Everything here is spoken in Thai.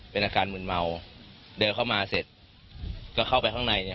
เป็นอาการมืนเมาเดินเข้ามาเสร็จก็เข้าไปข้างใน